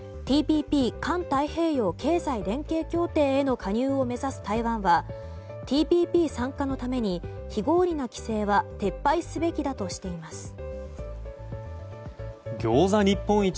ＴＰＰ・環太平洋経済連携協定への加入を目指す台湾はＴＰＰ参加のために非合理な規制は撤廃すべきだとしています。